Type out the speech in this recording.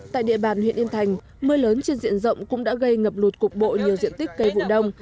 tại địa bàn huyện yên thành mưa lớn trên diện rộng cũng đã gây ngập lụt cục bộ nhiều diện tích cây vụ đông